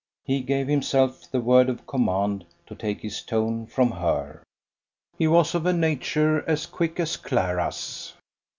He gave himself the word of command to take his tone from her. He was of a nature as quick as Clara's.